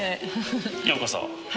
ようこそ。